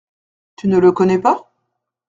Tu ne le connais pas ?